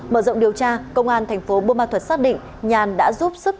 mở rộng điều tra công an thành phố bô ma thuật xác định nhàn đã giúp sức và cung cấp